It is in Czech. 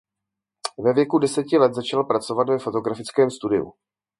Ve věku deseti let začal pracovat ve fotografickém studiu.